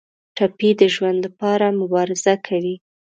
ټپي د ژوند لپاره مبارزه کوي.